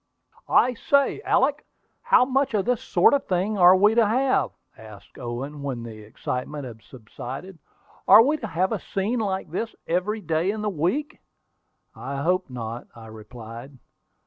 "I say, Alick, how much more of this sort of thing are we to have," asked Owen, when the excitement had subsided. "Are we to have a scene like this every day in the week?" "I hope not," I replied.